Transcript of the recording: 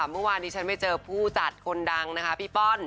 เมื่อวานนี้ฉันไปเจอผู้จัดคนดังนะคะพี่ป้อน